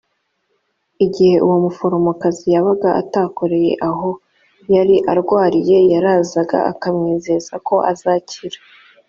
ni igihe uwo muforomokazi yabaga atakoreye aho yari arwariye yarazaga akamwizeza ko azakira